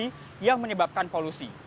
emisi yang menyebabkan polusi